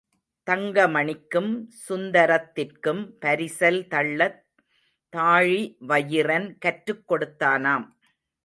தங்கமணிக்கும், சுந்தரத்திற்கும் பரிசல் தள்ளத் தாழிவயிறன் கற்றுக்கொடுத்தானாம்.